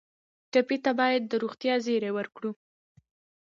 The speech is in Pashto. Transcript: ټپي ته باید د روغتیا زېری ورکړو.